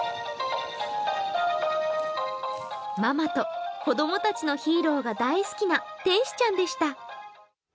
ママと子供たちのヒーローが大好きな天使ちゃんでした。